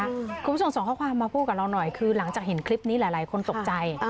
คุณผู้ชมส่งข้อความมาพูดกับเราหน่อยคือหลังจากเห็นคลิปนี้หลายคนตกใจ